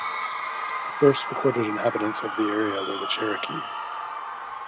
The first recorded inhabitants of the area were the Cherokee.